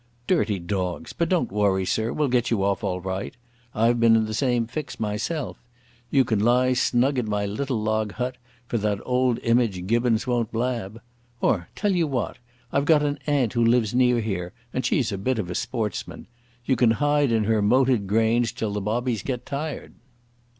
"Dirty dogs! But don't worry, sir; we'll get you off all right. I've been in the same fix myself. You can lie snug in my little log hut, for that old image Gibbons won't blab. Or, tell you what, I've got an aunt who lives near here and she's a bit of a sportsman. You can hide in her moated grange till the bobbies get tired."